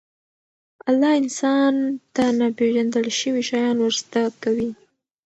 الله انسان ته ناپېژندل شوي شیان ورزده کوي.